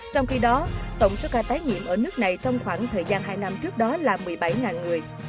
trong khi đó tổng số ca tái nhiễm ở nước này trong khoảng thời gian hai năm trước đó là một mươi bảy người